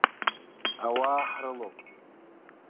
Ауаа ҳрылоуп.